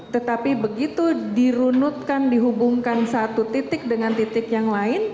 tetapi begitu dirunutkan dihubungkan satu titik dengan titik yang lain